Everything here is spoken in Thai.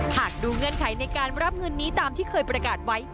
หากดูเงื่อนไขในการรับเงินนี้ตามที่เคยประกาศไว้